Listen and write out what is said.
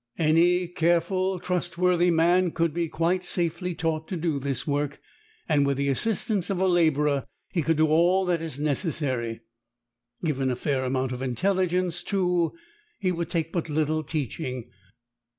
Any careful, trustworthy man could be quite safely taught to do this work, and with the assistance of a labourer he could do all that is necessary. Given a fair amount of intelligence, too, he would take but little teaching.